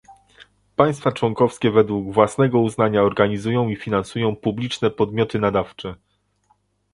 Państwa członkowskie według własnego uznania organizują i finansują publiczne podmioty nadawcze